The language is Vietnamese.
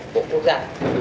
của quốc gia